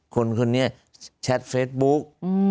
คนนี้แชทเฟซบุ๊ก